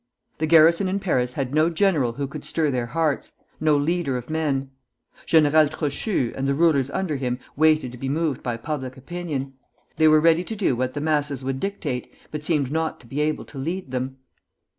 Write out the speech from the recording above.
The garrison in Paris had no general who could stir their hearts, no leader of men. General Trochu, and the rulers under him, waited to be moved by public opinion. They were ready to do what the masses would dictate, but seemed not to be able to lead them.